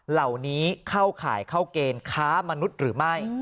เหล่านี้เข้าข่ายเข้าเกณฑ์ค้ามนุษย์หรือไม่